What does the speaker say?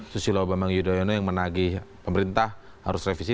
susilo bambang yudhoyono yang menagi pemerintah harus revisi